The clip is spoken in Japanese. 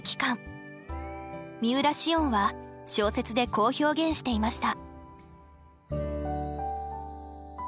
三浦しをんは小説でこう表現していました。